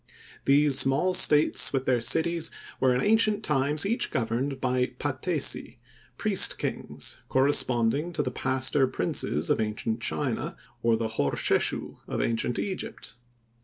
These small states with their cities, were in the earliest times each governed by "patesi," priest kings, corresponding to the "pastor princes" of ancient China, or the Horsheshu, of ancient Egypt.